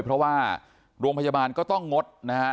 เพราะว่ารวมพยาบาลก็ต้องงด